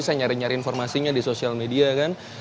saya nyari nyari informasinya di sosial media kan